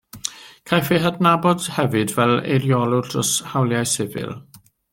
Caiff ei hadnabod hefyd fel eiriolwr dros hawliau sifil.